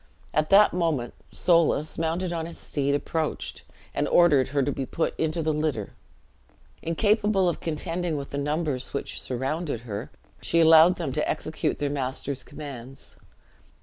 At that moment Soulis, mounted on his steed, approached, and ordered her to be put into the litter. Incapable of contending with the numbers which surrounded her, she allowed them to execute their master's commands.